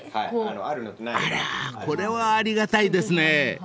［あらーこれはありがたいですね］